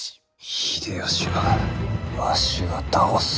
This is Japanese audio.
秀吉はわしが倒す。